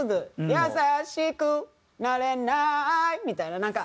「優しくなれない」みたいななんか。